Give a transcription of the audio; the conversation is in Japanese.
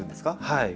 はい。